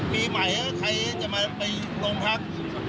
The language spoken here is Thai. ปีใหม่ใครจะมาไปโรงพัก